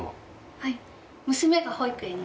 はい。